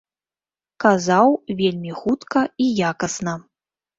Казаў, вельмі хутка і якасна.